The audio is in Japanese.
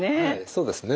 そうですね。